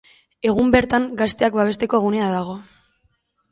Egun bertan gazteak babesteko gunea dago.